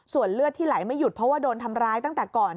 เลือดที่ไหลไม่หยุดเพราะว่าโดนทำร้ายตั้งแต่ก่อน